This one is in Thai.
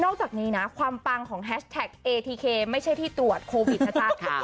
จากนี้นะความปังของแฮชแท็กเอทีเคไม่ใช่ที่ตรวจโควิดนะจ๊ะ